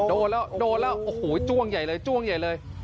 โดดแล้วจ่วงใหญ่เลย